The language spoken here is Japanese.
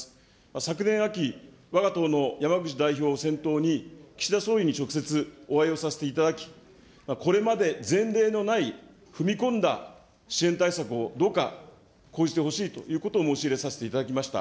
昨年秋、わが党の山口代表を先頭に、岸田総理に直接お会いをさせていただき、これまで前例のない踏み込んだ支援対策をどうか講じてほしいということを申し入れさせていただきました。